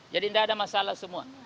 jadi tidak ada masalah semua